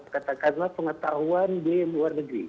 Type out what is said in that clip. katakanlah pengetahuan di luar negeri